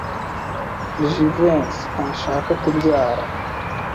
Jivency ntashaka kubyara.